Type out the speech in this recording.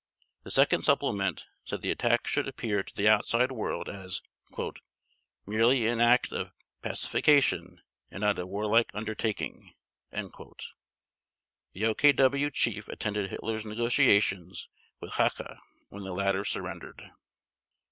The second supplement said the attack should appear to the outside world as "merely an act of pacification and not a warlike undertaking." The OKW Chief attended Hitler's negotiations with Hacha when the latter surrendered.